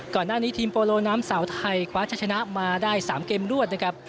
ก่อนหน้านี้ทีมโปโลน้ำสาวไทยคว้าชะชนะมาได้๓เกมรวดนะครับ